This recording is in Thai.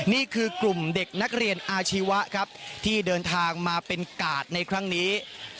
นี่คือกลุ่มเด็กนักเรียนอาชีวะครับที่เดินทางมาเป็นกาดในครั้งนี้